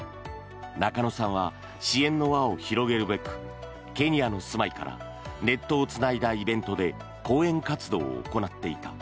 中野さんは支援の輪を広げるべくケニアの住まいからネットをつないだイベントで講演活動を行っていた。